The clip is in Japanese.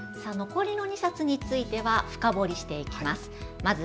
残りの２冊については深掘りしていきます。